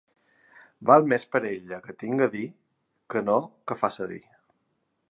Val més per ella que tinga a dir, que no que faça dir.